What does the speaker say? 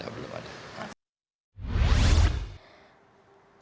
berita terkini mengenai kontrak kerjaan sip yang mencari penyelamatkan